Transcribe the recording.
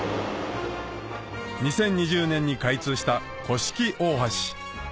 ２０２０年に開通した甑大橋